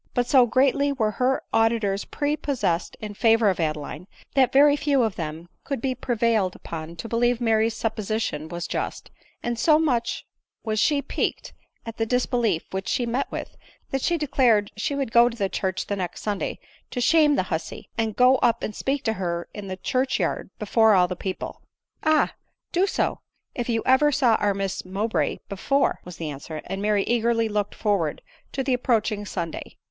But so greatly were her auditors prepossessed in favor of Adeline, that very few of them could be prevailed upon to believe Mary's supposition was just ; and so much was she piqued at the disbelief which shie met with, that she declared she would go to church the next Sunday to shame the hussey, and go tip and speak to her in the church yard before all the people. " Ah ! do so, if you ever saw our Miss Mowbray be fore," was the answer; and Mary eagerly looked for ward to the approaching Sunday.